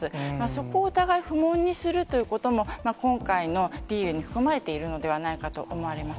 そこをお互い不問にするということも、今回のディールに含まれているのではないかと思われます。